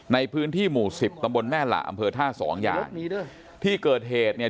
ในพื้นที่หมู่สิบตำบลแม่หละอำเภอท่าสองอย่างที่เกิดเหตุเนี่ย